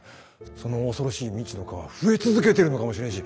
その恐ろしい未知の蚊は増え続けてるのかもしれんし